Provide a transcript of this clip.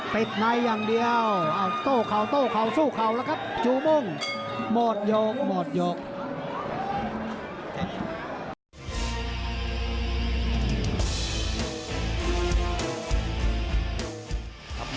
เต็กไนค์อย่างเดียวโต้เข่าสู้เข่าแล้วครับ